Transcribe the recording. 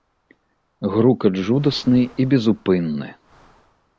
Грукат жудасны і безупынны.